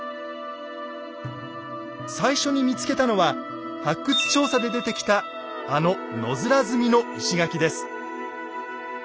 最初に見つけたのは発掘調査で出てきたあの野面積みの石垣です。